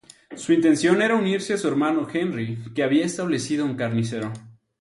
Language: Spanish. Su intención era unirse a su hermano Henry, que había establecido un carnicero.